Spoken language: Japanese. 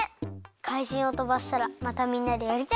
かいじんをとばしたらまたみんなでやりたいです。